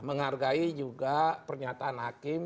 menghargai juga pernyataan hakim